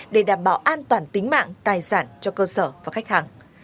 để đảm bảo an toàn tính mạng tài sản cho cơ sở và khách hàng